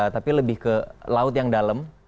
tapi lebih ke laut yang dalam